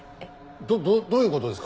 どどういう事ですか？